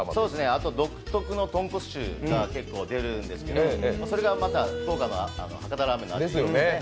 あと、独特の豚骨臭が出てくるんですけどそれがまた、福岡の博多ラーメンの味で。